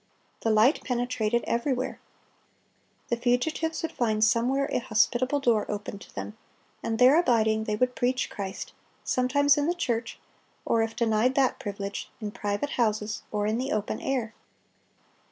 (282) The light penetrated everywhere. The fugitives would find somewhere a hospitable door opened to them, and there abiding, they would preach Christ, sometimes in the church, or if denied that privilege, in private houses or in the open air.